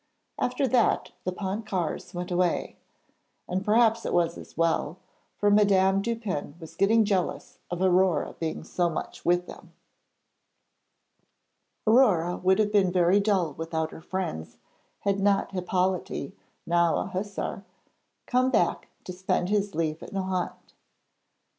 After that the Pontcarrés went away, and perhaps it was as well, for Madame Dupin was getting jealous of Aurore being so much with them. Aurore would have been very dull without her friends had not Hippolyte, now a hussar, come back to spend his leave at Nohant.